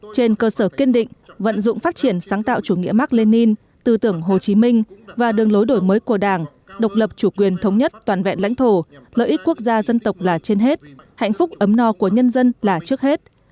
trên cơ sở kiên định vận dụng phát triển sáng tạo chủ nghĩa mark lenin tư tưởng hồ chí minh và đường lối đổi mới của đảng độc lập chủ quyền thống nhất toàn vẹn lãnh thổ lợi ích quốc gia dân tộc là trên hết hạnh phúc ấm no của nhân dân là trước hết